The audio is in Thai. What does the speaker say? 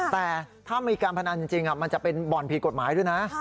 แต่ถ้ามีการพนันจริงมันจะเป็นบ่อนผิดกฎหมายด้วยนะ